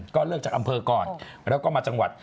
ก็เลือกจากอำเภอก่อนแล้วก็มาจังหวัด